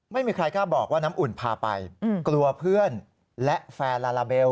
ไม่มีใครกล้าบอกว่าน้ำอุ่นพาไปกลัวเพื่อนและแฟนลาลาเบล